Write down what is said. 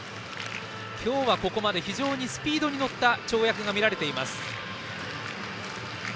今日はここまで非常にスピードに乗った跳躍が見られています。